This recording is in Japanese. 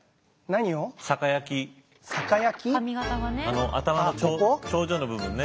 あの頭の頂上の部分ね。